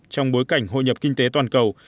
trong bối cảnh hội nhập kinh tế toàn cầu